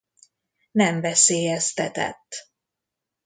Nem veszélyeztetett.